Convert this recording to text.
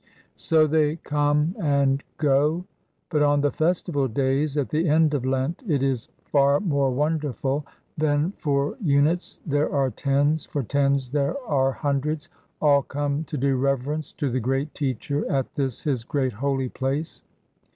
So they come and go. But on the festival days at the end of Lent it is far more wonderful. Then for units there are tens, for tens there are hundreds all come to do reverence to the great teacher at this his great holy place.